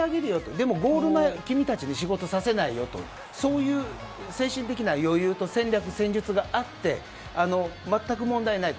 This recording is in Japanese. でも、ゴール前は君たちに仕事させないよとそういう精神的な余裕と戦略・戦術があって全く問題ないと。